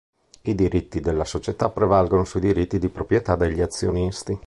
I diritti della società prevalgono sui diritti di proprietà degli azionisti.